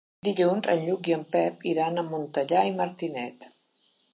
Dilluns en Lluc i en Pep iran a Montellà i Martinet.